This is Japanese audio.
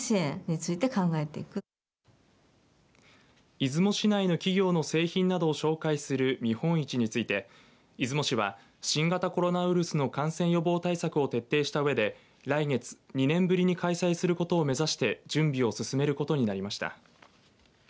出雲市内の企業の製品などを紹介する見本市について出雲市は新型コロナウイルスの感染予防対策を徹底したうえで来月、２年ぶりに開催することを目指して準備を進めることになりました。